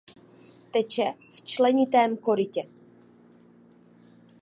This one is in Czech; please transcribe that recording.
Teče v členitém korytě.